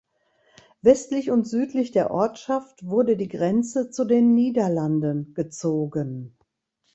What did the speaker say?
Westlich und südlich der Ortschaft wurde die Grenze zu den Niederlanden gezogen.